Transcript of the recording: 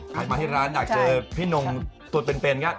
ใครมาที่ร้านอยากเจอพี่นงตัวเป็นก็